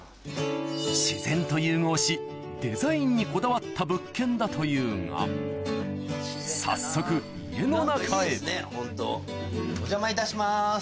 自然と融合しデザインにこだわった物件だというが早速お邪魔いたします。